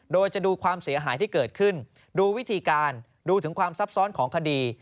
โดยจะดูความเสียหายที่เกิดขึ้นดูวิธีการดูถึงความซับซ้อนของคดี